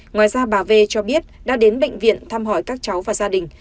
ngoài ra bà v cho biết đã đến bệnh viện thăm hỏi các cháu và gia đình